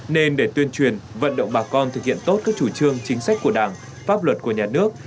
nên để tuyên truyền vận động bà con thực hiện tốt các chủ trương chính sách của đảng pháp luật của nhà nước